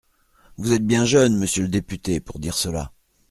Vous êtes bien jeune, monsieur le député, pour dire cela.